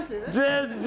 全然。